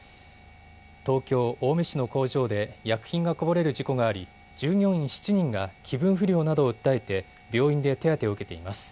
東京青梅市の工場で薬品がこぼれる事故があり従業員７人が気分不良などを訴えて病院で手当てを受けています。